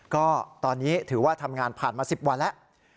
ก็ตอนนี้ถือว่าทำงานผ่านมา๑๐วันแล้ว